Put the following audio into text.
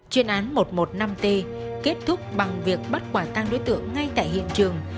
chuyên án một trăm một mươi năm t kết thúc bằng việc bắt quả tăng đối tượng ngay tại hiện trường